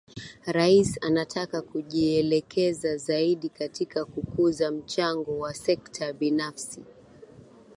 Rais anataka kujielekeza zaidi katika kukuza mchango wa sekta binafsi